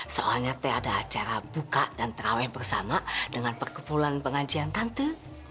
soalnya teh ada acara buka dan terawih bersama dengan perkumpulan pengajian tante